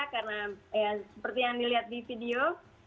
karena seperti yang dilihat di video